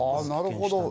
なるほど。